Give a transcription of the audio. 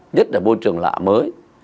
nhất là vô trường lạ mới